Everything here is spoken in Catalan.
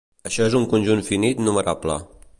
Això és un conjunt finit numerable.